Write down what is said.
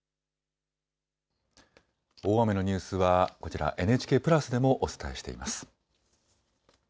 大雨のニュースはこちら、ＮＨＫプラスでもお伝えしています。